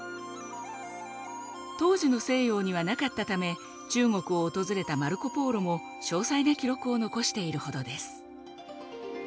当時の西洋には無かったため中国を訪れたマルコ・ポーロも詳細な記録を残しているほどです。